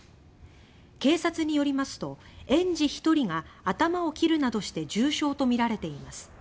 警察によりますと園児１人が頭を切るなどして重傷とみられています。